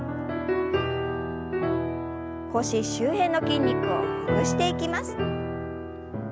腰周辺の筋肉をほぐしていきます。